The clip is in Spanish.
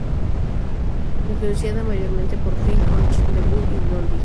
Influenciada mayormente por Phil Ochs, The Who y Blondie.